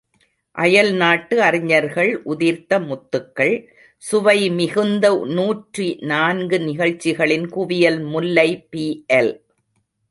அயல்நாட்டு அறிஞர்கள் உதிர்த்த முத்துக்கள் சுவைமிகுந்த நூற்றி நான்கு நிகழ்ச்சிகளின் குவியல் முல்லை பிஎல்.